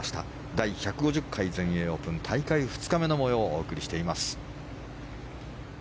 第１５０回全英オープン大会２日目の模様をお送りしています。